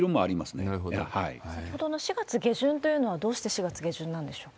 先ほどの４月下旬というのは、どうして４月下旬なんでしょうか？